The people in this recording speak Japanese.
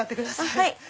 はい。